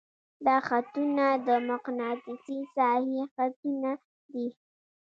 دا خطونه د مقناطیسي ساحې خطونه دي.